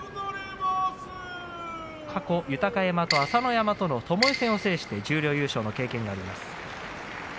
過去、豊山と朝乃山とのともえ戦を制した十両優勝の経験があります。